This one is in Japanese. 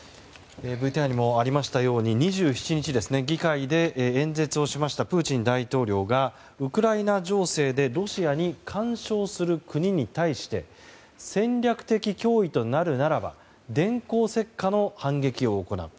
ＶＴＲにもありましたように２７日、議会で演説をしましたプーチン大統領がウクライナ情勢でロシアに干渉する国に対して戦略的脅威となるならば電光石火の反撃を行う。